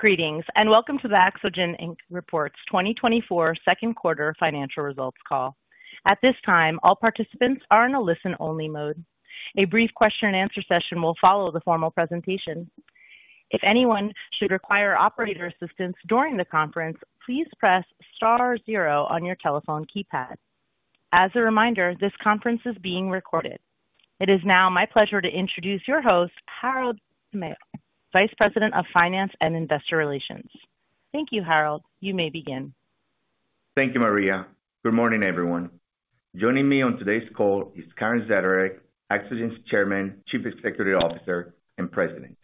Greetings, and welcome to the Axogen, Inc reports 2024 second quarter financial results call. At this time, all participants are in a listen-only mode. A brief question-and-answer session will follow the formal presentation. If anyone should require operator assistance during the conference, please press star zero on your telephone keypad. As a reminder, this conference is being recorded. It is now my pleasure to introduce your host, Harold Tamayo, Vice President of Finance and Investor Relations. Thank you, Harold. You may begin. Thank you, Maria. Good morning, everyone. Joining me on today's call is Karen Zaderej, Axogen's Chairman, Chief Executive Officer, and President,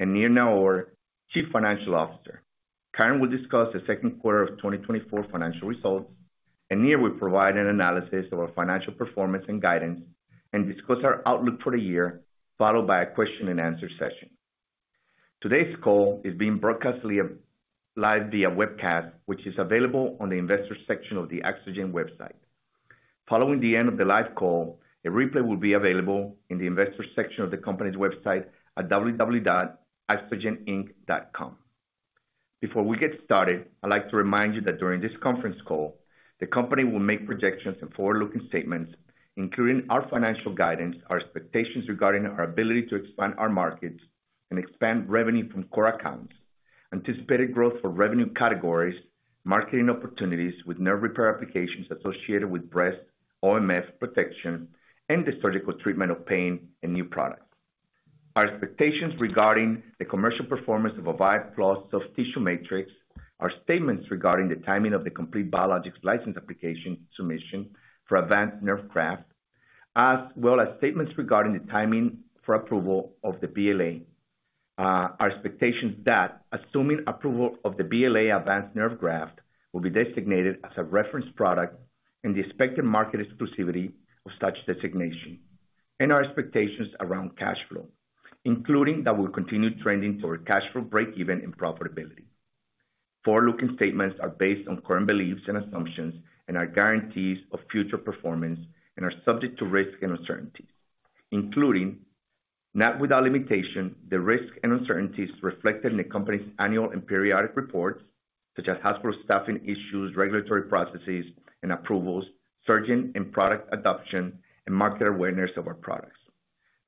and Nir Naor, Chief Financial Officer. Karen will discuss the second quarter of 2024 financial results, and Nir will provide an analysis of our financial performance and guidance and discuss our outlook for the year, followed by a question-and-answer session. Today's call is being broadcast live via webcast, which is available on the investor section of the Axogen website. Following the end of the live call, a replay will be available in the investor section of the company's website at www.axogeninc.com. Before we get started, I'd like to remind you that during this conference call, the company will make projections and forward-looking statements, including our financial guidance, our expectations regarding our ability to expand our markets and expand revenue from core accounts, anticipated growth for revenue categories, marketing opportunities with nerve repair applications associated with breast, OMF protection, and the surgical treatment of pain and new products. Our expectations regarding the commercial performance of Avive+ Soft Tissue Matrix, our statements regarding the timing of the complete Biologics License Application submission for Avance Nerve Graft, as well as statements regarding the timing for approval of the BLA. Our expectations that assuming approval of the BLA Avance Nerve Graft will be designated as a reference product and the expected market exclusivity of such designation, and our expectations around cash flow, including that we'll continue trending toward cash flow break even and profitability. Forward-looking statements are based on current beliefs and assumptions and are guarantees of future performance and are subject to risks and uncertainties, including, not without limitation, the risk and uncertainties reflected in the company's annual and periodic reports, such as hospital staffing issues, regulatory processes and approvals, surgeon and product adoption, and market awareness of our products.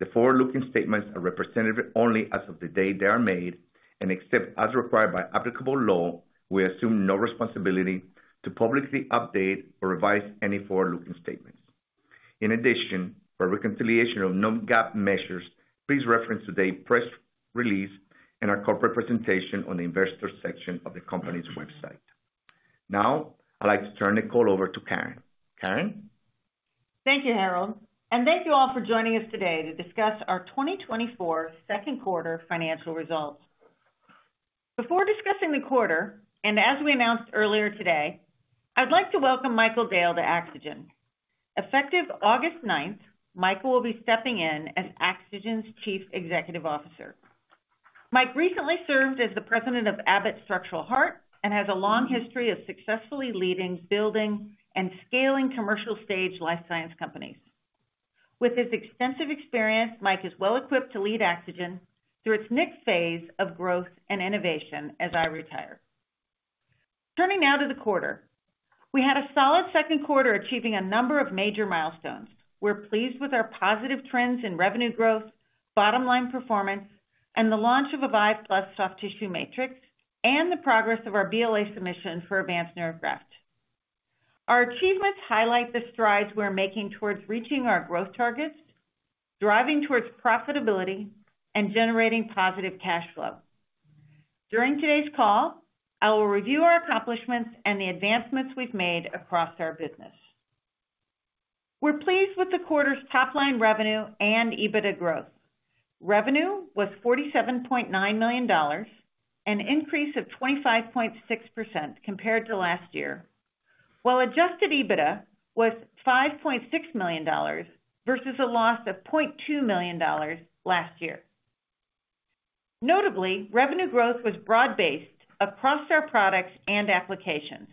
The forward-looking statements are representative only as of the day they are made, and except as required by applicable law, we assume no responsibility to publicly update or revise any forward-looking statements. In addition, for a reconciliation of non-GAAP measures, please reference today's press release and our corporate presentation on the investor section of the company's website. Now, I'd like to turn the call over to Karen. Karen? Thank you, Harold, and thank you all for joining us today to discuss our 2024 second quarter financial results. Before discussing the quarter, and as we announced earlier today, I'd like to welcome Michael Dale to Axogen. Effective August ninth, Michael will be stepping in as Axogen's Chief Executive Officer. Mike recently served as the President of Abbott Structural Heart and has a long history of successfully leading, building, and scaling commercial-stage life science companies. With his extensive experience, Mike is well equipped to lead Axogen through its next phase of growth and innovation as I retire. Turning now to the quarter. We had a solid second quarter, achieving a number of major milestones. We're pleased with our positive trends in revenue growth, bottom-line performance, and the launch of Avive+ Soft Tissue Matrix, and the progress of our BLA submission for Avance Nerve Graft. Our achievements highlight the strides we're making towards reaching our growth targets, driving towards profitability, and generating positive cash flow. During today's call, I will review our accomplishments and the advancements we've made across our business. We're pleased with the quarter's top-line revenue and EBITDA growth. Revenue was $47.9 million, an increase of 25.6% compared to last year, while adjusted EBITDA was $5.6 million versus a loss of $0.2 million last year. Notably, revenue growth was broad-based across our products and applications.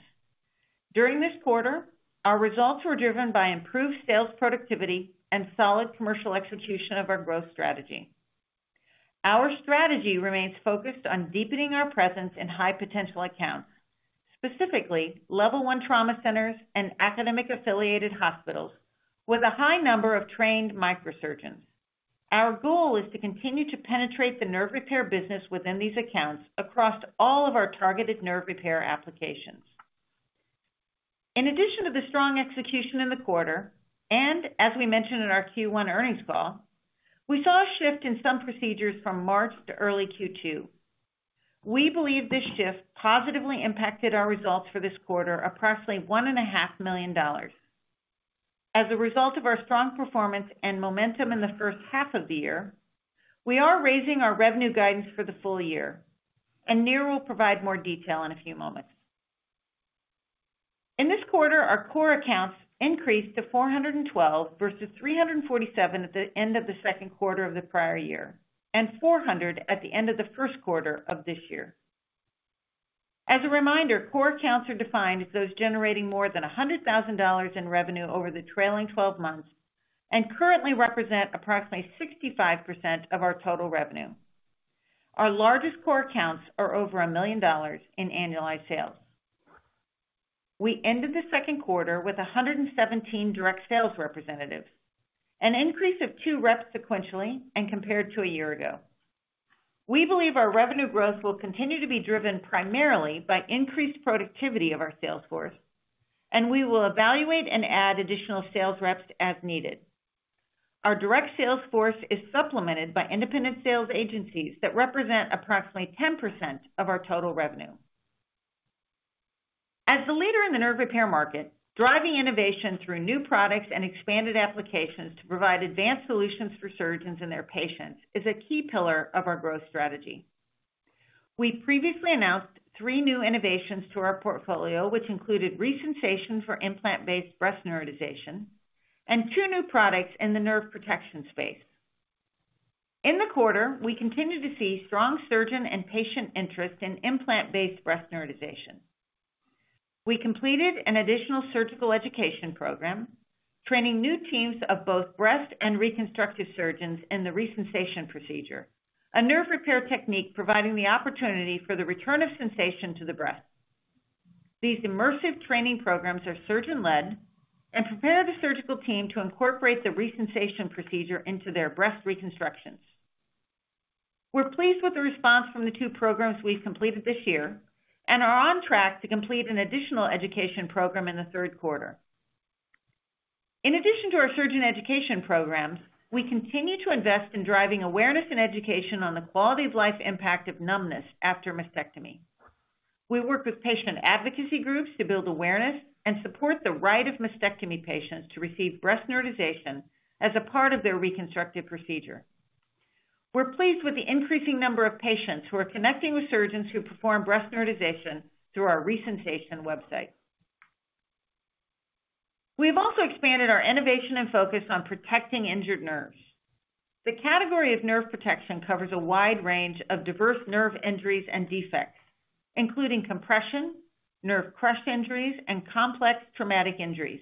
During this quarter, our results were driven by improved sales productivity and solid commercial execution of our growth strategy. Our strategy remains focused on deepening our presence in high-potential accounts, specifically Level 1 trauma centers and academic-affiliated hospitals with a high number of trained microsurgeons. Our goal is to continue to penetrate the nerve repair business within these accounts across all of our targeted nerve repair applications. In addition to the strong execution in the quarter, and as we mentioned in our Q1 earnings call, we saw a shift in some procedures from March to early Q2. We believe this shift positively impacted our results for this quarter, approximately $1.5 million. As a result of our strong performance and momentum in the first half of the year, we are raising our revenue guidance for the full year, and Nir will provide more detail in a few moments. In this quarter, our core accounts increased to 412 versus 347 at the end of the second quarter of the prior year, and 400 at the end of the first quarter of this year. As a reminder, core accounts are defined as those generating more than $100,000 in revenue over the trailing twelve months, and currently represent approximately 65% of our total revenue. Our largest core accounts are over $1 million in annualized sales. We ended the second quarter with 117 direct sales representatives, an increase of 2 reps sequentially and compared to a year ago. We believe our revenue growth will continue to be driven primarily by increased productivity of our sales force, and we will evaluate and add additional sales reps as needed. Our direct sales force is supplemented by independent sales agencies that represent approximately 10% of our total revenue. As the leader in the nerve repair market, driving innovation through new products and expanded applications to provide advanced solutions for surgeons and their patients, is a key pillar of our growth strategy. We previously announced three new innovations to our portfolio, which included Resensation for implant-based breast neurotization, and two new products in the nerve protection space. In the quarter, we continued to see strong surgeon and patient interest in implant-based breast neurotization. We completed an additional surgical education program, training new teams of both breast and reconstructive surgeons in the Resensation procedure, a nerve repair technique providing the opportunity for the return of sensation to the breast. These immersive training programs are surgeon-led and prepare the surgical team to incorporate the Resensation procedure into their breast reconstructions. We're pleased with the response from the two programs we've completed this year, and are on track to complete an additional education program in the third quarter. In addition to our surgeon education programs, we continue to invest in driving awareness and education on the quality of life impact of numbness after mastectomy. We work with patient advocacy groups to build awareness and support the right of mastectomy patients to receive breast neurotization as a part of their reconstructive procedure. We're pleased with the increasing number of patients who are connecting with surgeons who perform breast neurotization through our Resensation website. We've also expanded our innovation and focus on protecting injured nerves. The category of nerve protection covers a wide range of diverse nerve injuries and defects, including compression, nerve crush injuries, and complex traumatic injuries.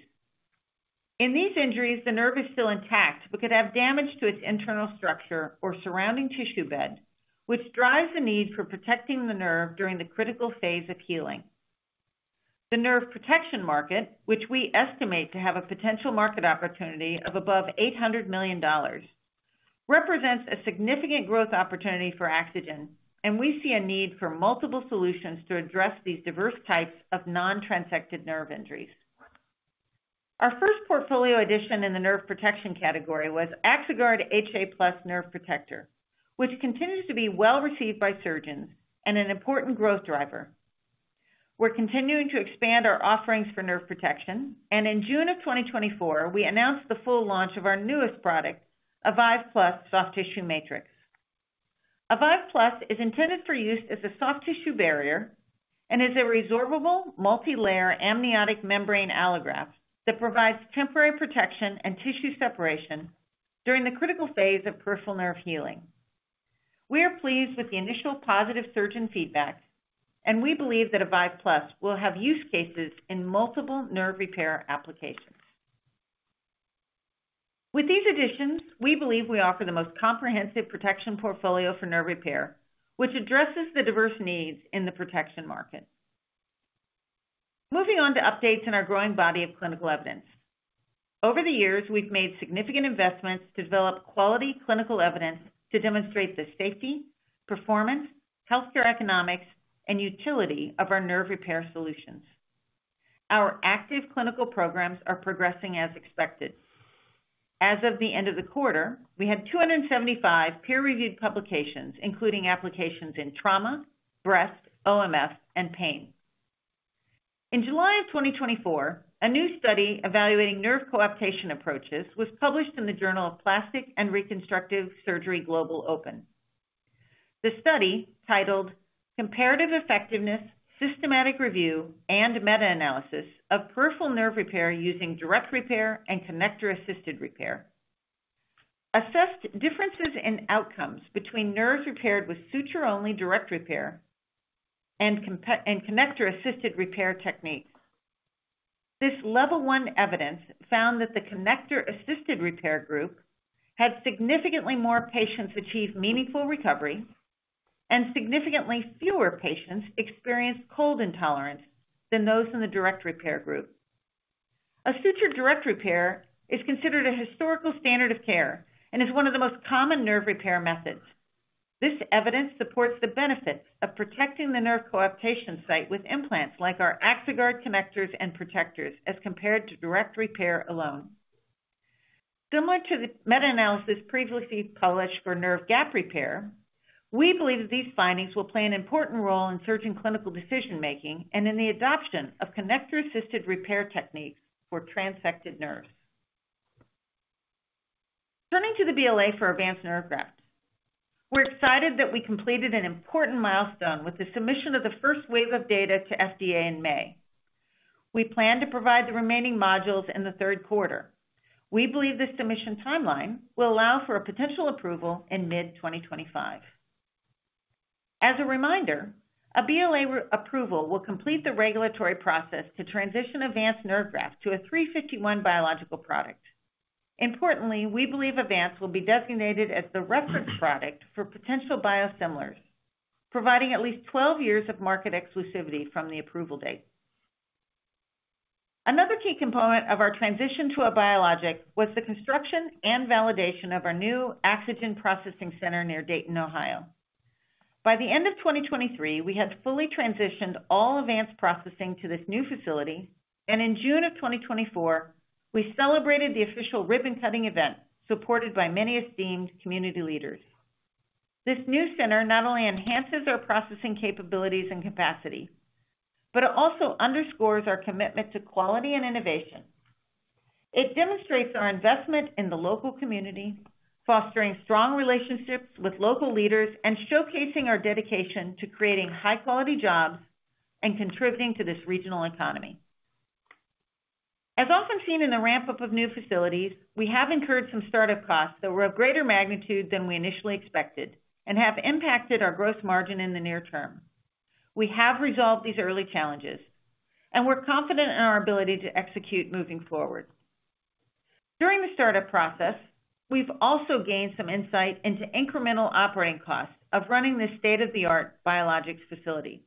In these injuries, the nerve is still intact, but could have damage to its internal structure or surrounding tissue bed, which drives the need for protecting the nerve during the critical phase of healing. The nerve protection market, which we estimate to have a potential market opportunity of above $800 million, represents a significant growth opportunity for Axogen, and we see a need for multiple solutions to address these diverse types of non-transected nerve injuries. Our first portfolio addition in the nerve protection category was Axoguard HA+ Nerve Protector, which continues to be well-received by surgeons and an important growth driver. We're continuing to expand our offerings for nerve protection, and in June of 2024, we announced the full launch of our newest product, Avive+ Soft Tissue Matrix. Avive+ is intended for use as a soft tissue barrier and is a resorbable, multilayer amniotic membrane allograft that provides temporary protection and tissue separation during the critical phase of peripheral nerve healing. We are pleased with the initial positive surgeon feedback, and we believe that Avive+ will have use cases in multiple nerve repair applications. With these additions, we believe we offer the most comprehensive protection portfolio for nerve repair, which addresses the diverse needs in the protection market. Moving on to updates in our growing body of clinical evidence. Over the years, we've made significant investments to develop quality clinical evidence to demonstrate the safety, performance, healthcare economics, and utility of our nerve repair solutions. Our active clinical programs are progressing as expected. As of the end of the quarter, we had 275 peer-reviewed publications, including applications in trauma, breast, OMF, and pain. In July of 2024, a new study evaluating nerve coaptation approaches was published in the Journal of Plastic and Reconstructive Surgery - Global Open. The study, titled "Comparative Effectiveness, Systematic Review, and Meta-Analysis of Peripheral Nerve Repair Using Direct Repair and Connector-Assisted Repair," assessed differences in outcomes between nerves repaired with suture-only direct repair and connector-assisted repair techniques. This Level 1 evidence found that the connector-assisted repair group had significantly more patients achieve meaningful recovery and significantly fewer patients experience cold intolerance than those in the direct repair group. A suture direct repair is considered a historical standard of care and is one of the most common nerve repair methods. This evidence supports the benefits of protecting the nerve coaptation site with implants like our Axoguard connectors and protectors, as compared to direct repair alone. Similar to the meta-analysis previously published for nerve gap repair, we believe that these findings will play an important role in surgeon clinical decision-making and in the adoption of connector-assisted repair techniques for transected nerves. Turning to the BLA for Avance Nerve Graft. We're excited that we completed an important milestone with the submission of the first wave of data to FDA in May. We plan to provide the remaining modules in the third quarter. We believe this submission timeline will allow for a potential approval in mid-2025. As a reminder, a BLA approval will complete the regulatory process to transition Avance Nerve Graft to a 351 biological product. Importantly, we believe Avance will be designated as the reference product for potential biosimilars, providing at least 12 years of market exclusivity from the approval date. Another key component of our transition to a biologic was the construction and validation of our new Axogen processing center near Dayton, Ohio. By the end of 2023, we had fully transitioned all Avance processing to this new facility, and in June of 2024, we celebrated the official ribbon-cutting event, supported by many esteemed community leaders. This new center not only enhances our processing capabilities and capacity, but it also underscores our commitment to quality and innovation. It demonstrates our investment in the local community, fostering strong relationships with local leaders and showcasing our dedication to creating high-quality jobs and contributing to this regional economy. As often seen in the ramp-up of new facilities, we have incurred some startup costs that were of greater magnitude than we initially expected and have impacted our gross margin in the near term. We have resolved these early challenges, and we're confident in our ability to execute moving forward. During the startup process, we've also gained some insight into incremental operating costs of running this state-of-the-art biologics facility.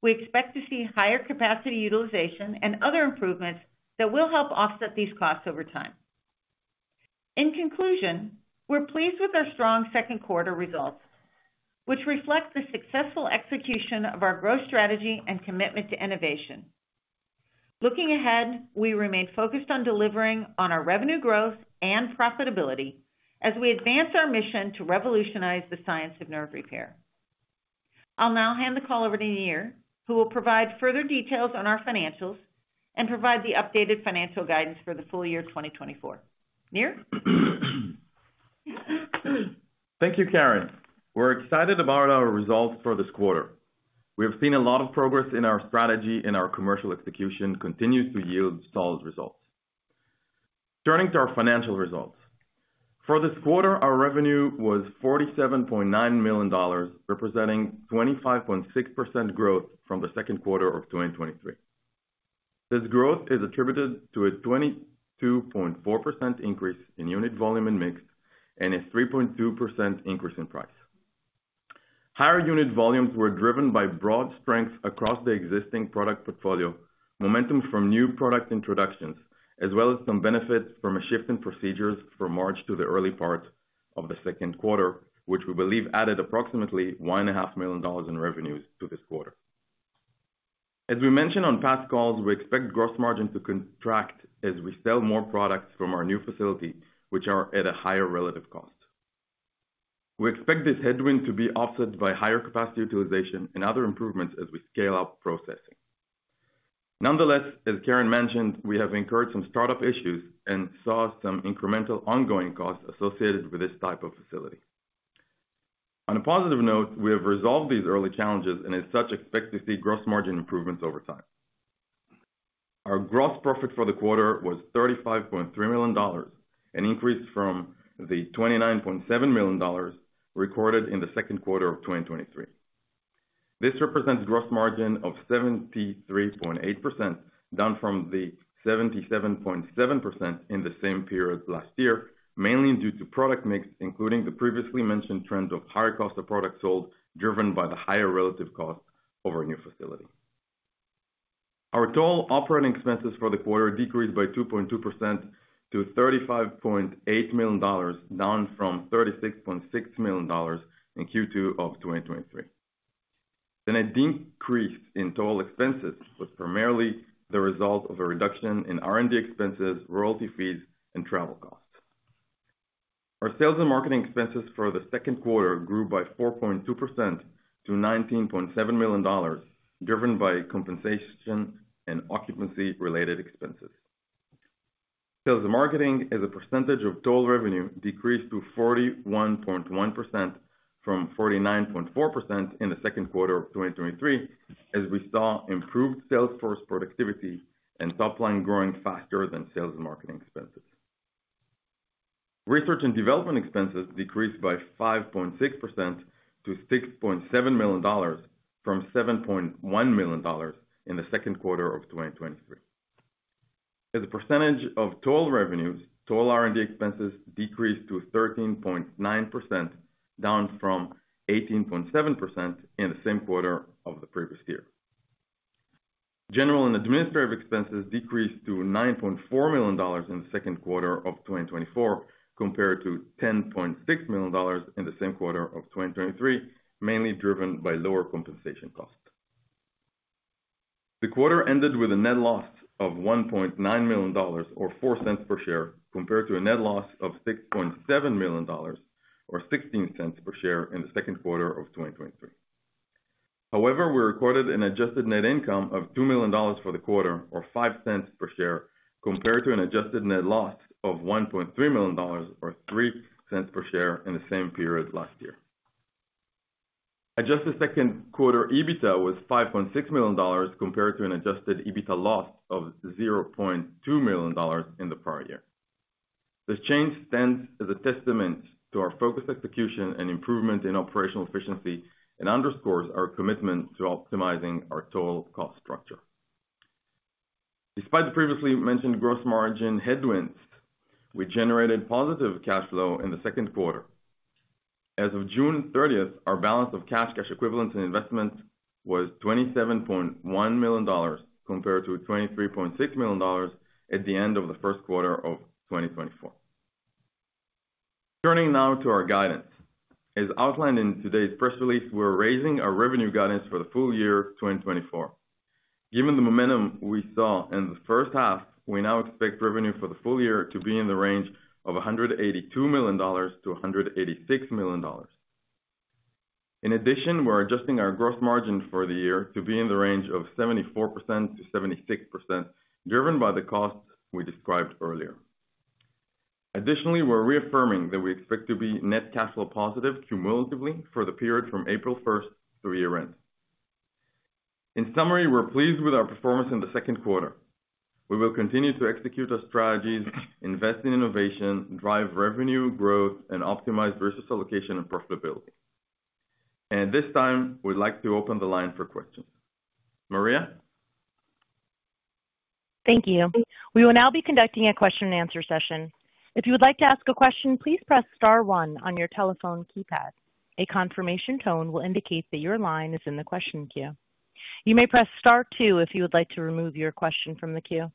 We expect to see higher capacity utilization and other improvements that will help offset these costs over time. In conclusion, we're pleased with our strong second quarter results, which reflect the successful execution of our growth strategy and commitment to innovation. Looking ahead, we remain focused on delivering on our revenue growth and profitability as we advance our mission to revolutionize the science of nerve repair. I'll now hand the call over to Nir, who will provide further details on our financials and provide the updated financial guidance for the full year 2024. Nir? Thank you, Karen. We're excited about our results for this quarter. We have seen a lot of progress in our strategy, and our commercial execution continues to yield solid results. Turning to our financial results. For this quarter, our revenue was $47.9 million, representing 25.6% growth from the second quarter of 2023. This growth is attributed to a 22.4% increase in unit volume and mix, and a 3.2% increase in price. Higher unit volumes were driven by broad strength across the existing product portfolio, momentum from new product introductions, as well as some benefits from a shift in procedures from March to the early part of the second quarter, which we believe added approximately $1.5 million in revenues to this quarter. As we mentioned on past calls, we expect gross margin to contract as we sell more products from our new facility, which are at a higher relative cost. We expect this headwind to be offset by higher capacity utilization and other improvements as we scale up processing. Nonetheless, as Karen mentioned, we have incurred some startup issues and saw some incremental ongoing costs associated with this type of facility. On a positive note, we have resolved these early challenges and as such, expect to see gross margin improvements over time. Our gross profit for the quarter was $35.3 million, an increase from the $29.7 million recorded in the second quarter of 2023. This represents gross margin of 73.8%, down from the 77.7% in the same period last year, mainly due to product mix, including the previously mentioned trends of higher cost of products sold, driven by the higher relative cost of our new facility. Our total operating expenses for the quarter decreased by 2.2% to $35.8 million, down from $36.6 million in Q2 of 2023. A decrease in total expenses was primarily the result of a reduction in R&D expenses, royalty fees, and travel costs. Our sales and marketing expenses for the second quarter grew by 4.2% to $19.7 million, driven by compensation and occupancy-related expenses. Sales and marketing, as a percentage of total revenue, decreased to 41.1% from 49.4% in the second quarter of 2023, as we saw improved sales force productivity and top-line growing faster than sales and marketing expenses. Research and development expenses decreased by 5.6% to $6.7 million, from $7.1 million in the second quarter of 2023. As a percentage of total revenues, total R&D expenses decreased to 13.9%, down from 18.7% in the same quarter of the previous year. General and administrative expenses decreased to $9.4 million in the second quarter of 2024, compared to $10.6 million in the same quarter of 2023, mainly driven by lower compensation costs. The quarter ended with a net loss of $1.9 million, or $0.04 per share, compared to a net loss of $6.7 million, or $0.16 per share in the second quarter of 2023. However, we recorded an adjusted net income of $2 million for the quarter, or $0.05 per share, compared to an adjusted net loss of $1.3 million, or $0.03 per share in the same period last year. Adjusted second quarter EBITDA was $5.6 million, compared to an adjusted EBITDA loss of $0.2 million in the prior year. This change stands as a testament to our focused execution and improvement in operational efficiency, and underscores our commitment to optimizing our total cost structure. Despite the previously mentioned gross margin headwinds, we generated positive cash flow in the second quarter. As of June 30th, our balance of cash, cash equivalents and investments was $27.1 million, compared to $23.6 million at the end of the first quarter of 2024. Turning now to our guidance. As outlined in today's press release, we're raising our revenue guidance for the full year 2024. Given the momentum we saw in the first half, we now expect revenue for the full year to be in the range of $182 million-$186 million. In addition, we're adjusting our gross margin for the year to be in the range of 74%-76%, driven by the costs we described earlier. Additionally, we're reaffirming that we expect to be net cash flow positive cumulatively for the period from April 1st through year-end. In summary, we're pleased with our performance in the second quarter. We will continue to execute our strategies, invest in innovation, drive revenue growth, and optimize resource allocation and profitability. At this time, we'd like to open the line for questions. Maria? Thank you. We will now be conducting a question-and-answer session. If you would like to ask a question, please press star one on your telephone keypad. A confirmation tone will indicate that your line is in the question queue. You may press star two if you would like to remove your question from the queue.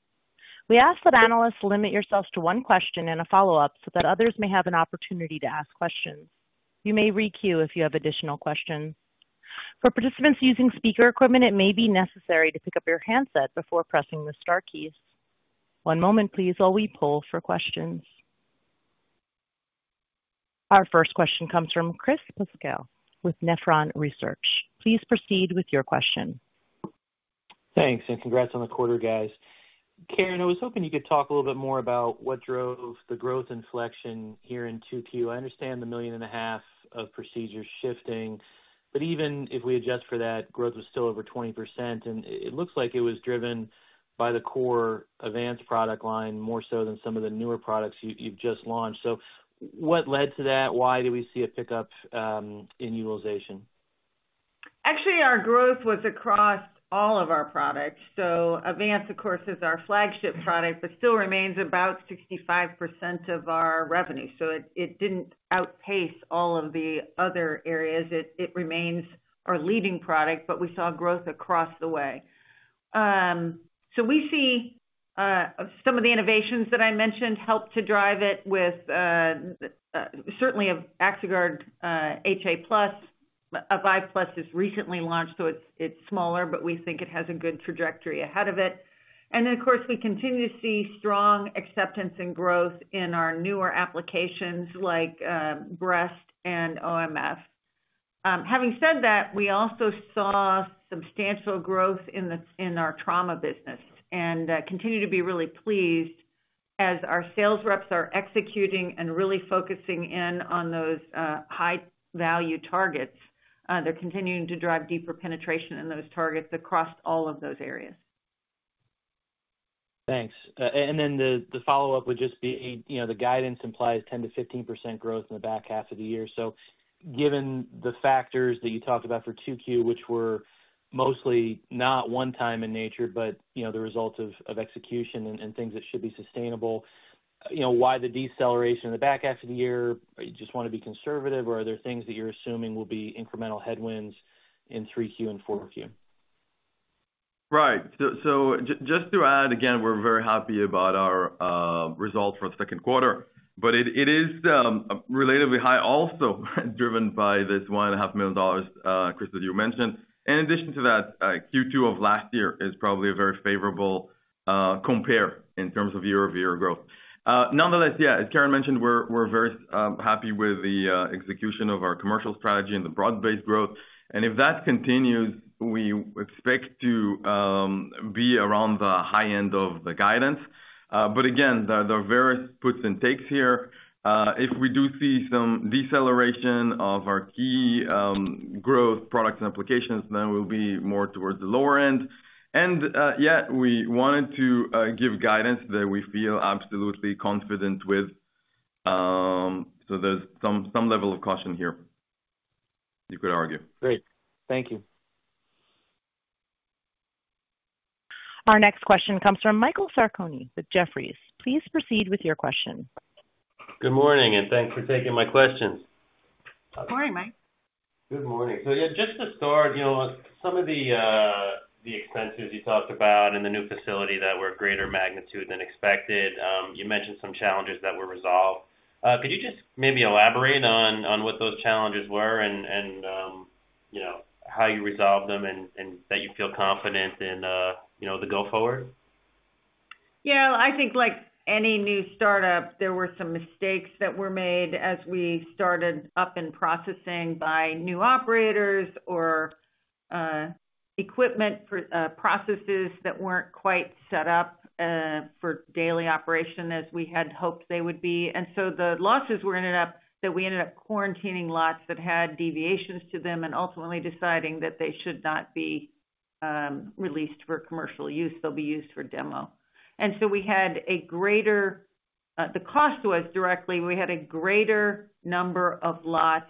We ask that analysts limit yourselves to one question and a follow-up, so that others may have an opportunity to ask questions. You may re-queue if you have additional questions. For participants using speaker equipment, it may be necessary to pick up your handset before pressing the star keys. One moment please, while we poll for questions. Our first question comes from Chris Pasquale with Nephron Research. Please proceed with your question. Thanks, and congrats on the quarter, guys. Karen, I was hoping you could talk a little bit more about what drove the growth inflection here in 2Q. I understand the 1.5 million procedures shifting, but even if we adjust for that, growth was still over 20%, and it, it looks like it was driven by the core Avance product line, more so than some of the newer products you've, you've just launched. So what led to that? Why did we see a pickup in utilization? Actually, our growth was across all of our products. So Avance, of course, is our flagship product, but still remains about 65% of our revenue, so it, it didn't outpace all of the other areas. It, it remains our leading product, but we saw growth across the way. So we see some of the innovations that I mentioned help to drive it with certainly Axoguard HA+. Avive+ has recently launched, so it's, it's smaller, but we think it has a good trajectory ahead of it. And then, of course, we continue to see strong acceptance and growth in our newer applications like breast and OMF. Having said that, we also saw substantial growth in our trauma business and continue to be really pleased as our sales reps are executing and really focusing in on those high value targets. They're continuing to drive deeper penetration in those targets across all of those areas. Thanks. And then the follow-up would just be, you know, the guidance implies 10%-15% growth in the back half of the year. So given the factors that you talked about for 2Q, which were mostly not one time in nature, but, you know, the results of execution and things that should be sustainable, you know, why the deceleration in the back half of the year? You just want to be conservative, or are there things that you're assuming will be incremental headwinds in 3Q and 4Q? Right. So just to add, again, we're very happy about our results for the second quarter, but it is relatively high, also driven by this $1.5 million, Chris, that you mentioned. In addition to that, Q2 of last year is probably a very favorable compare in terms of year-over-year growth. Nonetheless, yeah, as Karen mentioned, we're very happy with the execution of our commercial strategy and the broad-based growth, and if that continues, we expect to be around the high end of the guidance. But again, there are various puts and takes here. If we do see some deceleration of our key growth products and applications, then we'll be more towards the lower end. And yet, we wanted to give guidance that we feel absolutely confident with. So there's some level of caution here, you could argue. Great. Thank you. Our next question comes from Michael Sarcone with Jefferies. Please proceed with your question. Good morning, and thanks for taking my questions. Good morning, Mike. Good morning. So yeah, just to start, you know, some of the expenses you talked about in the new facility that were greater magnitude than expected, you mentioned some challenges that were resolved. Could you just maybe elaborate on what those challenges were and, you know, how you resolved them and that you feel confident in, you know, the go forward? Yeah, I think like any new startup, there were some mistakes that were made as we started up in processing by new operators or equipment for processes that weren't quite set up for daily operation as we had hoped they would be. And so the losses were ended up, that we ended up quarantining lots that had deviations to them and ultimately deciding that they should not be released for commercial use, they'll be used for demo. And so we had a greater the cost was directly, we had a greater number of lots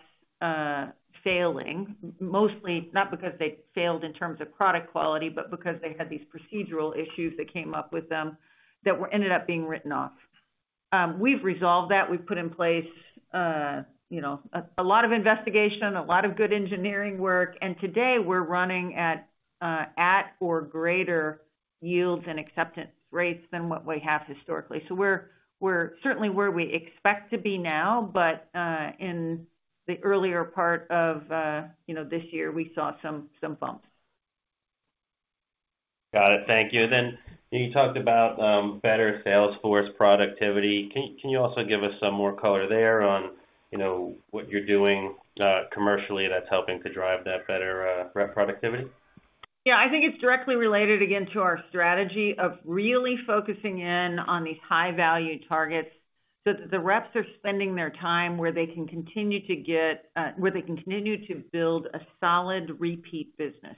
failing, mostly not because they failed in terms of product quality, but because they had these procedural issues that came up with them that were-- ended up being written off. We've resolved that. We've put in place, you know, a lot of investigation, a lot of good engineering work, and today we're running at, at or greater yields and acceptance rates than what we have historically. So we're certainly where we expect to be now, but, in the earlier part of, you know, this year, we saw some bumps. Got it. Thank you. Then you talked about better sales force productivity. Can you also give us some more color there on, you know, what you're doing commercially, that's helping to drive that better rep productivity? Yeah, I think it's directly related, again, to our strategy of really focusing in on these high-value targets, so that the reps are spending their time where they can continue to build a solid repeat business.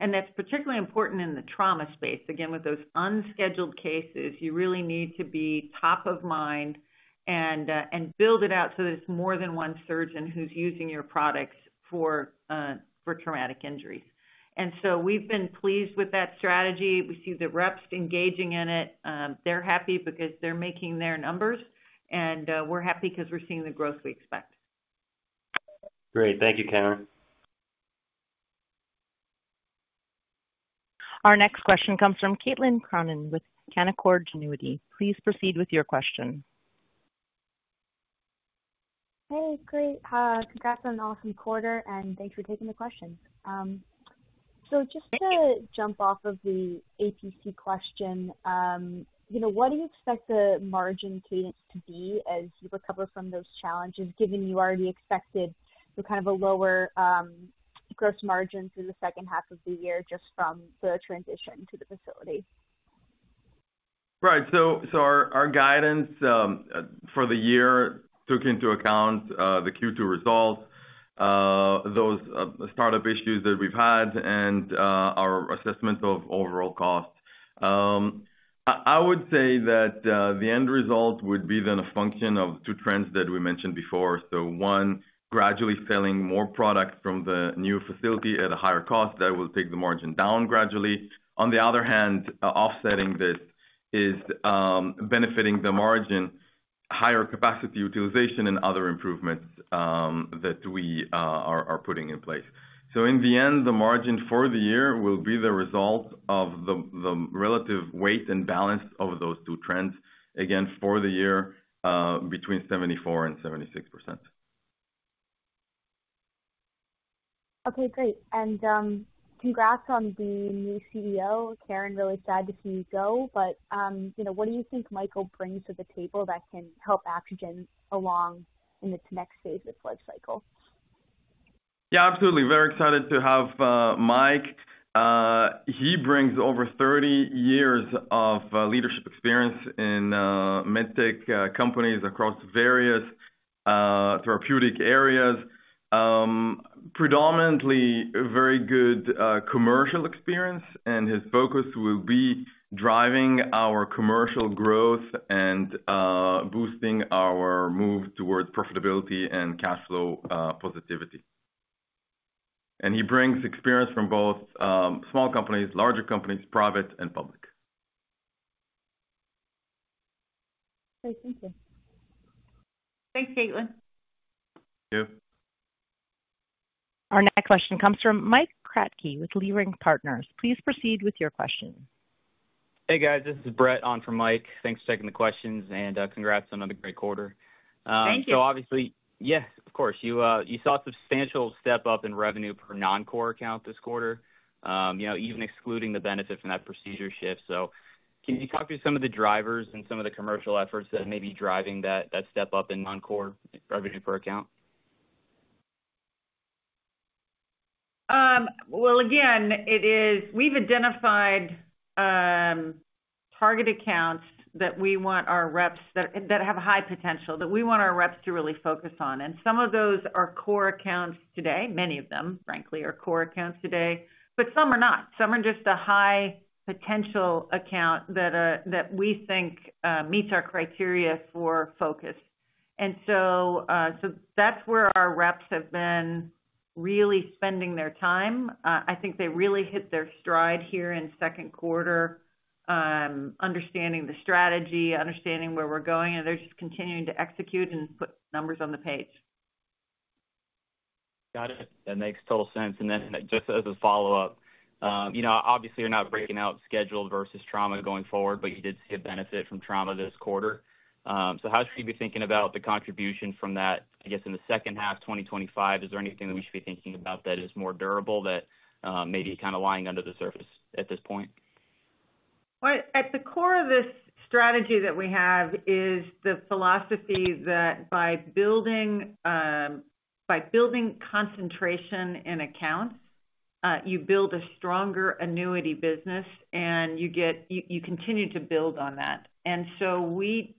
And that's particularly important in the trauma space. Again, with those unscheduled cases, you really need to be top of mind and build it out so that it's more than one surgeon who's using your products for traumatic injuries. And so we've been pleased with that strategy. We see the reps engaging in it. They're happy because they're making their numbers, and we're happy because we're seeing the growth we expect. Great. Thank you, Karen. Our next question comes from Caitlin Cronin with Canaccord Genuity. Please proceed with your question. Hey, great. Congrats on an awesome quarter, and thanks for taking the questions. So just to jump off of the APC question, you know, what do you expect the margin to be as you recover from those challenges, given you already expected some kind of a lower gross margin through the second half of the year, just from the transition to the facility? Right. So our guidance for the year took into account the Q2 results, those startup issues that we've had and our assessment of overall costs. I would say that the end result would be then a function of two trends that we mentioned before. So one, gradually selling more products from the new facility at a higher cost, that will take the margin down gradually. On the other hand, offsetting this is benefiting the margin, higher capacity utilization and other improvements that we are putting in place. So in the end, the margin for the year will be the result of the relative weight and balance of those two trends, again, for the year, between 74% and 76%. Okay, great. Congrats on the new CEO. Karen, really sad to see you go, but, you know, what do you think Michael brings to the table that can help Axogen along in this next phase of its life cycle? Yeah, absolutely. Very excited to have Mike. He brings over 30 years of leadership experience in medtech companies across various therapeutic areas. Predominantly, a very good commercial experience, and his focus will be driving our commercial growth and boosting our move towards profitability and cash flow positivity. And he brings experience from both small companies, larger companies, private and public. Great. Thank you. Thanks, Caitlin. Thank you. Our next question comes from Mike Kratky with Leerink Partners. Please proceed with your question. Hey, guys, this is Brett on for Mike. Thanks for taking the questions, and congrats on another great quarter. Thank you. So obviously, yes, of course. You, you saw a substantial step-up in revenue per non-core account this quarter, you know, even excluding the benefit from that procedure shift. So can you talk through some of the drivers and some of the commercial efforts that may be driving that, that step up in non-core revenue per account? Well, again, it is—we've identified target accounts that we want our reps that have high potential, that we want our reps to really focus on. And some of those are core accounts today. Many of them, frankly, are core accounts today, but some are not. Some are just a high potential account that we think meets our criteria for focus. And so, so that's where our reps have been really spending their time. I think they really hit their stride here in second quarter, understanding the strategy, understanding where we're going, and they're just continuing to execute and put numbers on the page. Got it. That makes total sense. And then just as a follow-up, you know, obviously, you're not breaking out scheduled versus trauma going forward, but you did see a benefit from trauma this quarter. So how should we be thinking about the contribution from that, I guess, in the second half of 2025? Is there anything that we should be thinking about that is more durable, that may be kind of lying under the surface at this point? ... Well, at the core of this strategy that we have is the philosophy that by building concentration in accounts, you build a stronger annuity business, and you get, you continue to build on that. And so we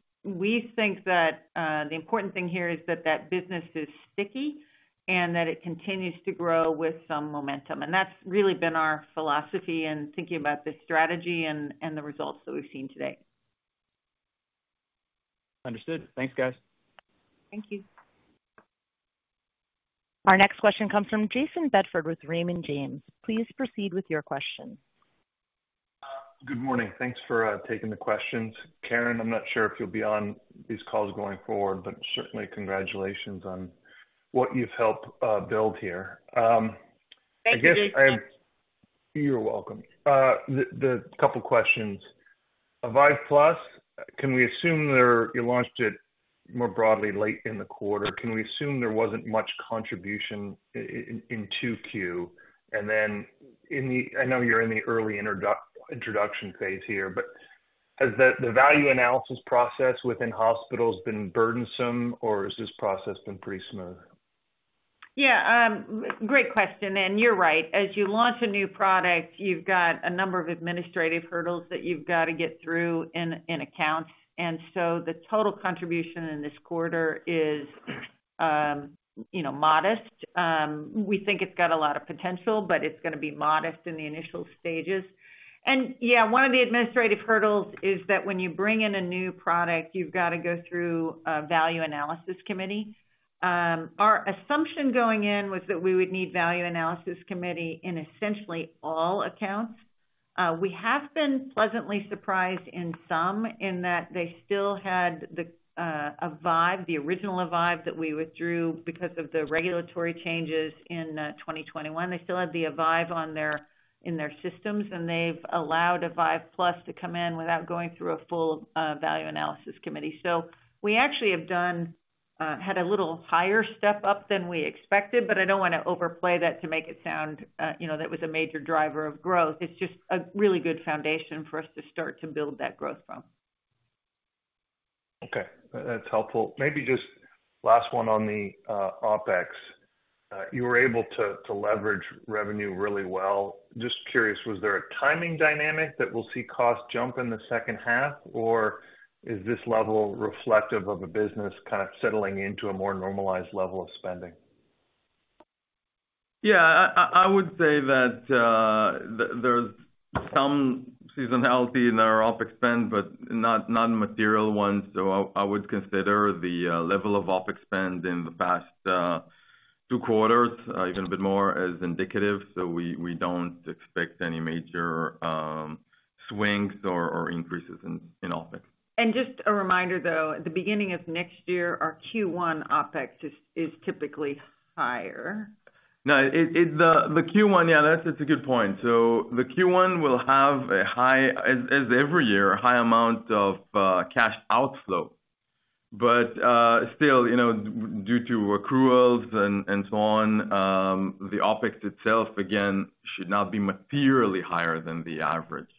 think that the important thing here is that that business is sticky and that it continues to grow with some momentum. And that's really been our philosophy in thinking about this strategy and the results that we've seen today. Understood. Thanks, guys. Thank you. Our next question comes from Jayson Bedford with Raymond James. Please proceed with your question. Good morning. Thanks for taking the questions. Karen, I'm not sure if you'll be on these calls going forward, but certainly congratulations on what you've helped build here. Thank you, Jayson. You're welcome. The couple questions. Avive+, can we assume there— you launched it more broadly late in the quarter. Can we assume there wasn't much contribution in 2Q? And then in the— I know you're in the early introduction phase here, but has the value analysis process within hospitals been burdensome, or has this process been pretty smooth? Yeah, great question, and you're right. As you launch a new product, you've got a number of administrative hurdles that you've got to get through in accounts. And so the total contribution in this quarter is, you know, modest. We think it's got a lot of potential, but it's gonna be modest in the initial stages. And yeah, one of the administrative hurdles is that when you bring in a new product, you've got to go through a value analysis committee. Our assumption going in was that we would need value analysis committee in essentially all accounts. We have been pleasantly surprised in some, in that they still had the Avive, the original Avive, that we withdrew because of the regulatory changes in 2021. They still had the Avive in their systems, and they've allowed Avive+ to come in without going through a full value analysis committee. So we actually have had a little higher step up than we expected, but I don't want to overplay that to make it sound, you know, that was a major driver of growth. It's just a really good foundation for us to start to build that growth from. Okay, that's helpful. Maybe just last one on the OpEx. You were able to leverage revenue really well. Just curious, was there a timing dynamic that we'll see costs jump in the second half, or is this level reflective of a business kind of settling into a more normalized level of spending? Yeah, I would say that there's some seasonality in our OpEx spend, but not material ones. So I would consider the level of OpEx spend in the past two quarters, even a bit more, as indicative. So we don't expect any major swings or increases in OpEx. Just a reminder, though, at the beginning of next year, our Q1 OpEx is typically higher. No, the Q1, yeah, that's a good point. So the Q1 will have a high, as every year, a high amount of cash outflow. But, still, you know, due to accruals and so on, the OpEx itself, again, should not be materially higher than the average.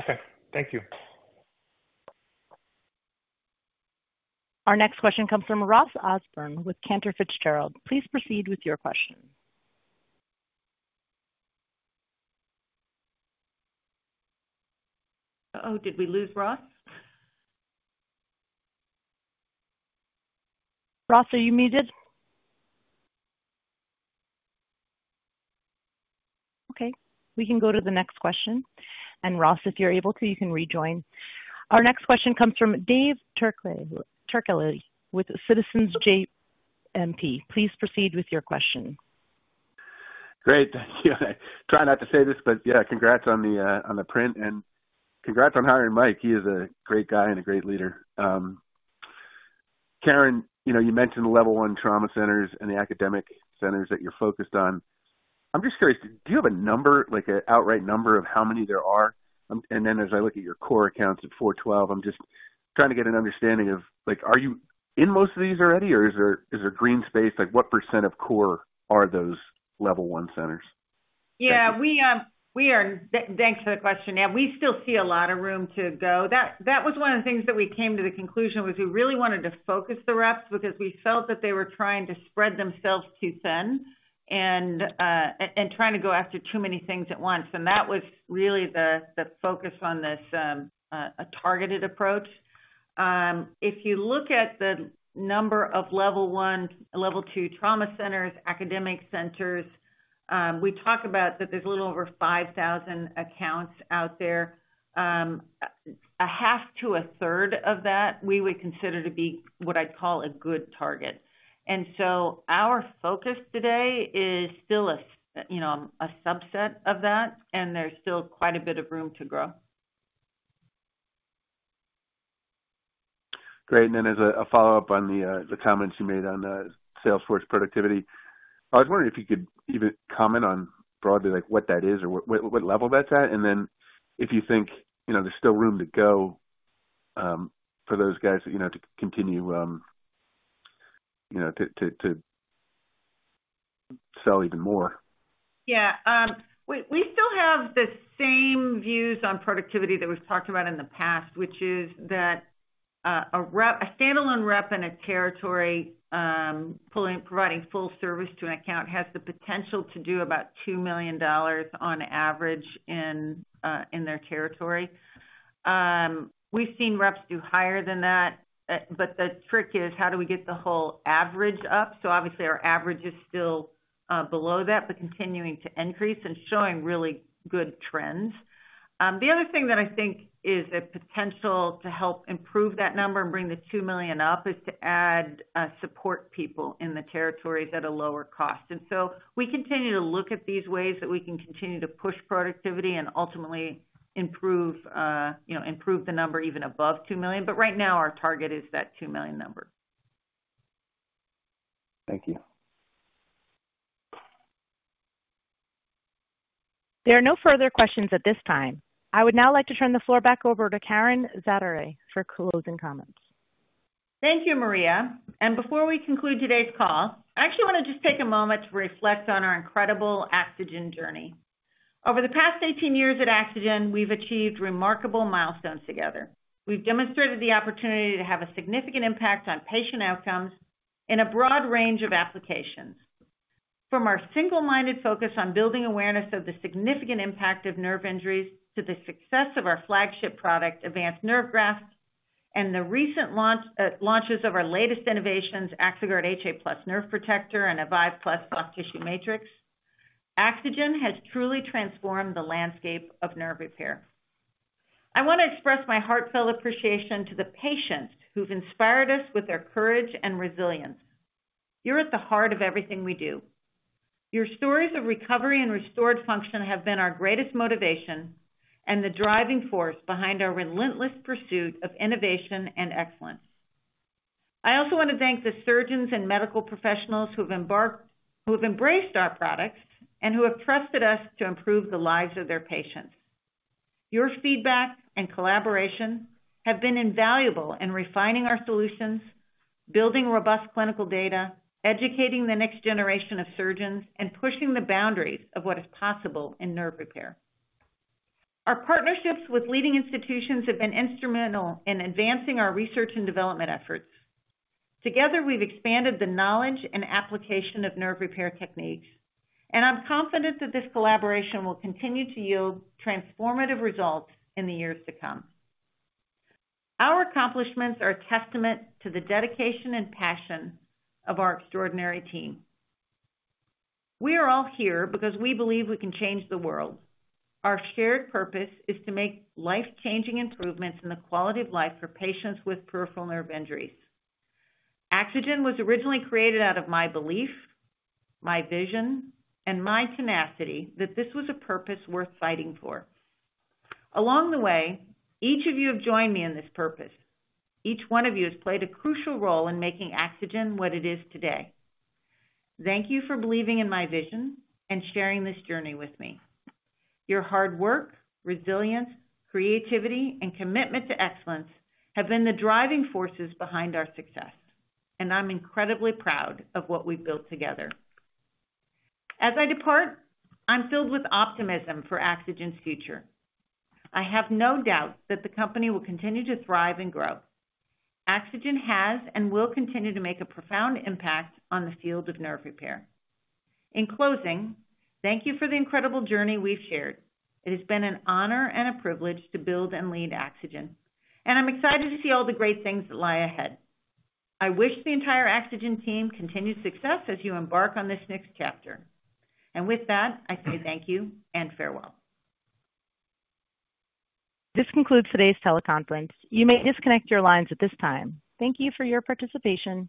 Okay, thank you. Our next question comes from Ross Osborn with Cantor Fitzgerald. Please proceed with your question. Uh-oh, did we lose Ross? Ross, are you muted? Okay, we can go to the next question. Ross, if you're able to, you can rejoin. Our next question comes from Dave Turkaly with Citizens JMP. Please proceed with your question. Great. Thank you. I try not to say this, but, yeah, congrats on the, on the print and congrats on hiring Mike. He is a great guy and a great leader. Karen, you know, you mentioned the Level 1 trauma centers and the academic centers that you're focused on. I'm just curious, do you have a number, like an outright number of how many there are? And then as I look at your core accounts at 412, I'm just trying to get an understanding of, like, are you in most of these already, or is there, is there green space? Like, what percent of core are those Level 1 centers? Yeah, we are - thanks for the question. Yeah, we still see a lot of room to go. That was one of the things that we came to the conclusion was we really wanted to focus the reps because we felt that they were trying to spread themselves too thin and trying to go after too many things at once. And that was really the focus on this, a targeted approach. If you look at the number of Level 1, Level 2 trauma centers, academic centers, we talk about that there's a little over 5,000 accounts out there. A half to a third of that we would consider to be what I'd call a good target. Our focus today is still, you know, a subset of that, and there's still quite a bit of room to grow. Great. And then as a follow-up on the comments you made on the sales force productivity, I was wondering if you could even comment on broadly, like, what that is or what level that's at, and then if you think, you know, there's still room to go for those guys, you know, to continue- ... you know, to sell even more? Yeah, we still have the same views on productivity that we've talked about in the past, which is that a rep, a standalone rep in a territory, providing full service to an account has the potential to do about $2 million on average in their territory. We've seen reps do higher than that, but the trick is how do we get the whole average up? So obviously, our average is still below that, but continuing to increase and showing really good trends. The other thing that I think is a potential to help improve that number and bring the $2 million up is to add support people in the territories at a lower cost. We continue to look at these ways that we can continue to push productivity and ultimately improve, you know, improve the number even above $2 million. Right now, our target is that $2 million number. Thank you. There are no further questions at this time. I would now like to turn the floor back over to Karen Zaderej for closing comments. Thank you, Maria. Before we conclude today's call, I actually want to just take a moment to reflect on our incredible Axogen journey. Over the past 18 years at Axogen, we've achieved remarkable milestones together. We've demonstrated the opportunity to have a significant impact on patient outcomes in a broad range of applications. From our single-minded focus on building awareness of the significant impact of nerve injuries, to the success of our flagship product, Avance Nerve Graft, and the recent launches of our latest innovations, Axoguard HA+ Nerve Protector, and Avive+ Soft Tissue Matrix, Axogen has truly transformed the landscape of nerve repair. I want to express my heartfelt appreciation to the patients who've inspired us with their courage and resilience. You're at the heart of everything we do. Your stories of recovery and restored function have been our greatest motivation and the driving force behind our relentless pursuit of innovation and excellence. I also want to thank the surgeons and medical professionals who have embraced our products and who have trusted us to improve the lives of their patients. Your feedback and collaboration have been invaluable in refining our solutions, building robust clinical data, educating the next generation of surgeons, and pushing the boundaries of what is possible in nerve repair. Our partnerships with leading institutions have been instrumental in advancing our research and development efforts. Together, we've expanded the knowledge and application of nerve repair techniques, and I'm confident that this collaboration will continue to yield transformative results in the years to come. Our accomplishments are a testament to the dedication and passion of our extraordinary team. We are all here because we believe we can change the world. Our shared purpose is to make life-changing improvements in the quality of life for patients with peripheral nerve injuries. Axogen was originally created out of my belief, my vision, and my tenacity that this was a purpose worth fighting for. Along the way, each of you have joined me in this purpose. Each one of you has played a crucial role in making Axogen what it is today. Thank you for believing in my vision and sharing this journey with me. Your hard work, resilience, creativity, and commitment to excellence have been the driving forces behind our success, and I'm incredibly proud of what we've built together. As I depart, I'm filled with optimism for Axogen's future. I have no doubt that the company will continue to thrive and grow. Axogen has and will continue to make a profound impact on the field of nerve repair. In closing, thank you for the incredible journey we've shared. It has been an honor and a privilege to build and lead Axogen, and I'm excited to see all the great things that lie ahead. I wish the entire Axogen team continued success as you embark on this next chapter. With that, I say thank you and farewell. This concludes today's teleconference. You may disconnect your lines at this time. Thank you for your participation.